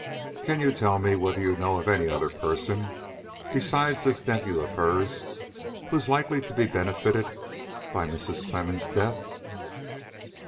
Can you tell me whether you know of any other person besides this nephew of hers who is likely to be benefited by Mrs. Clemmens' death?"